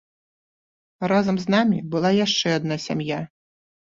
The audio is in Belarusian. Разам з намі была яшчэ адна сям'я.